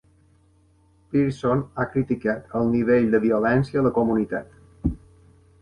Pearson ha criticat el nivell de violència a la comunitat.